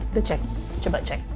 udah cek coba cek